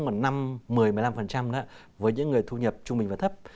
mà năm một mươi một mươi năm với những người thu nhập trung bình và thấp